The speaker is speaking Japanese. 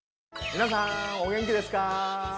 皆さんお元気ですか？